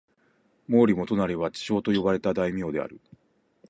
毛利元就は智将と呼ばれた大名である。